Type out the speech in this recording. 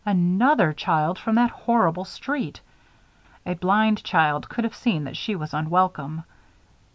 Another child from that horrible street! A blind child could have seen that she was unwelcome.